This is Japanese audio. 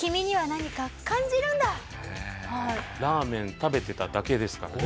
ラーメン食べてただけですからね